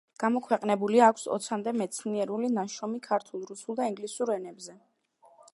გამოქვეყნებული აქვს ოცამდე მეცნიერული ნაშრომი ქართულ, რუსულ და ინგლისურ ენებზე.